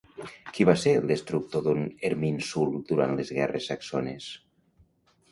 Qui va ser el destructor d'un Erminsul durant les guerres saxones?